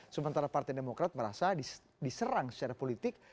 sementara partai demokrat merasa diserang secara politik